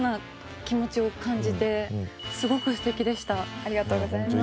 ありがとうございます。